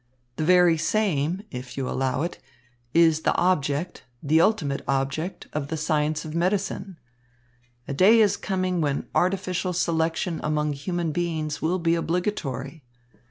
The very same, if you will allow it, is the object, the ultimate object, of the science of medicine. A day is coming when artificial selection among human beings will be obligatory."